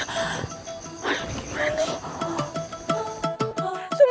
aduh ini gimana